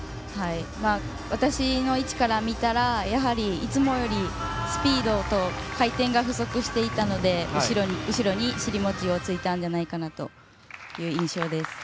私の位置から見たらやはり、いつもよりスピードと回転が不足していたので後ろに尻餅をついたんじゃないかなという印象です。